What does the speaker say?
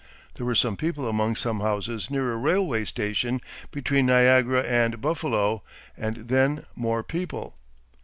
There were some people among some houses near a railway station between Niagara and Buffalo, and then more people.